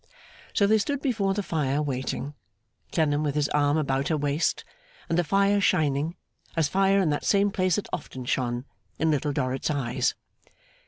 So they stood before the fire, waiting: Clennam with his arm about her waist, and the fire shining, as fire in that same place had often shone, in Little Dorrit's eyes.